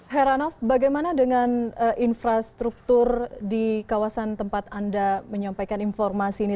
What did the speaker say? heranov bagaimana dengan infrastruktur di kawasan tempat anda menyampaikan informasi ini